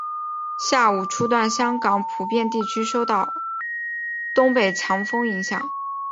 下午初段香港普遍地区受到东北强风影响。